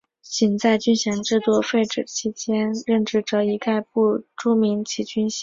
仅在军衔制废止期间任职者一概不注明其军衔。